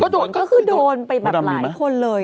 ก็คือโดนไปแบบหลายคนเลย